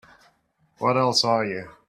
What else are you?